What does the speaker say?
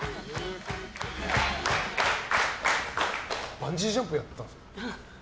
バンジージャンプやってたんですか？